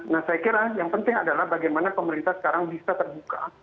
nah saya kira yang penting adalah bagaimana pemerintah sekarang bisa terbuka